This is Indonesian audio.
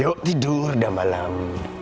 yuk tidur udah malam